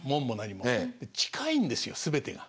で近いんですよすべてが。